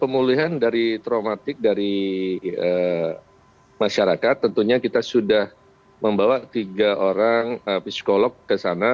pemulihan dari traumatik dari masyarakat tentunya kita sudah membawa tiga orang psikolog ke sana